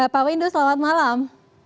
pak windu selamat malam